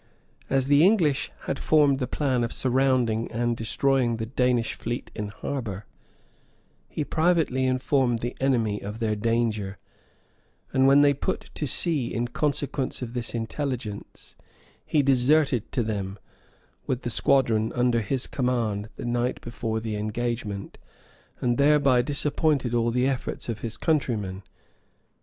As the English had formed the plan of surrounding and destroying the Danish fleet in harbor, he privately informed the enemy of their danger; and when they put to sea, in consequence of this intelligence, he deserted to them, with the squadron under his command, the night before the engagement, and thereby disappointed all the efforts of his countrymen.